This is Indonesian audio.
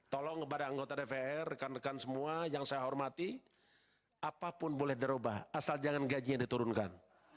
tolong kepada anggota dpr rekan rekan semua yang saya hormati apapun boleh dirubah asal jangan gajinya diturunkan